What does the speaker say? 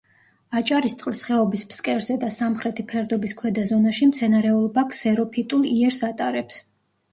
აჭარისწყლის ხეობის ფსკერზე და სამხრეთი ფერდობის ქვედა ზონაში მცენარეულობა ქსეროფიტულ იერს ატარებს.